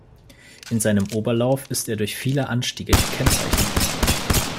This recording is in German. In seinem Oberlauf ist er durch viele Anstiege gekennzeichnet.